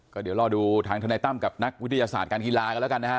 ก็เดี๋ยวรอดูทางธนายตั้มกับนักวิทยาศาสตร์การกีฬากันแล้วกันนะฮะ